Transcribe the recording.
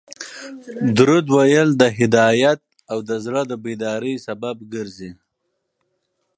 درود ویل د هدایت او د زړه د بیداري سبب ګرځي